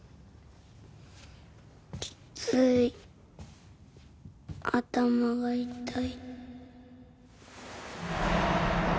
きつい頭が痛い。